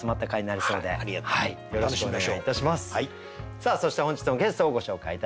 さあそして本日のゲストをご紹介いたします。